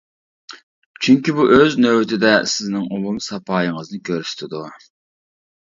چۈنكى بۇ ئۆز نۆۋىتىدە سىزنىڭ ئومۇمى ساپايىڭىزنى كۆرسىتىدۇ.